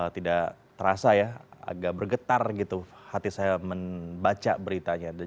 tidak terasa ya agak bergetar gitu hati saya membaca beritanya